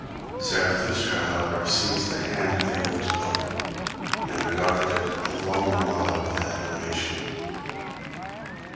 Zarathustra however seized the hand of the old pope and regarded it a long while with admiration.